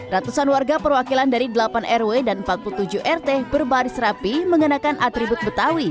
ratusan warga perwakilan dari delapan rw dan empat puluh tujuh rt berbaris rapi mengenakan atribut betawi